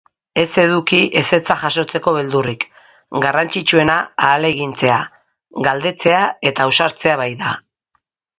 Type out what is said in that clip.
Ez eduki ezetza jasotzeko beldurrik, garrantzitsuena ahalegintzea, galdetzea eta ausartzea baita.